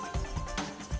waktu itu kita ambereudigit